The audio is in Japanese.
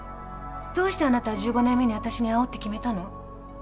どうしてあなたは１５年目にあたしに会おうって決めたの？